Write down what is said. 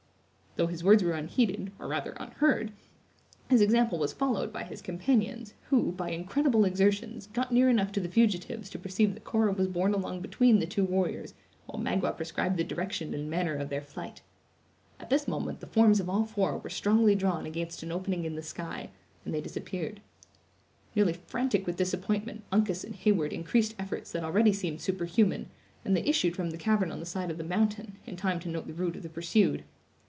Though his words were unheeded, or rather unheard, his example was followed by his companions, who, by incredible exertions, got near enough to the fugitives to perceive that Cora was borne along between the two warriors while Magua prescribed the direction and manner of their flight. At this moment the forms of all four were strongly drawn against an opening in the sky, and they disappeared. Nearly frantic with disappointment, Uncas and Heyward increased efforts that already seemed superhuman, and they issued from the cavern on the side of the mountain, in time to note the route of the pursued.